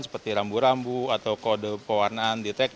seperti rambu rambu atau kode pewarnaan di trek